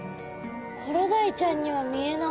コロダイちゃんには見えない。